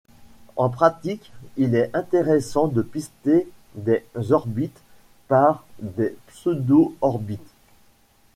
En pratique, il est intéressant de pister des orbites par des pseudo-orbites.